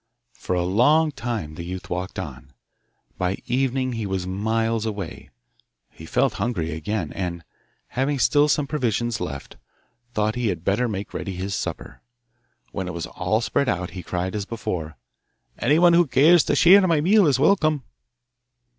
For a long time the youth walked on. By evening he was miles away. He felt hungry again, and, having still some provisions left, thought he had better make ready his supper. When it was all spread out he cried as before, 'Anyone who cares to share my meal is welcome.